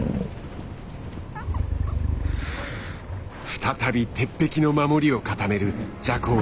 再び鉄壁の守りを固めるジャコウウシ。